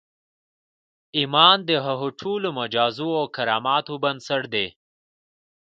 ايمان د هغو ټولو معجزو او کراماتو بنسټ دی.